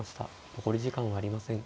残り時間はありません。